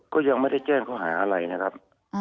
ก็ยังไม่ได้แจ้งเขาหาอะไรนะครับ